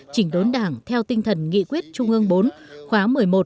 chỉnh đốn đảng theo tinh thần nghị quyết trung ương bốn khóa một mươi một một mươi hai